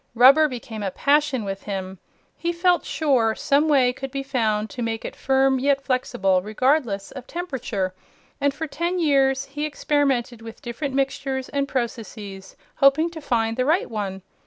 Rubber became a passion with him. He felt sure some way could be found to make it firm yet flexible regardless of temperature, and for ten years he experimented with different mixtures and processes, hoping to find the right one.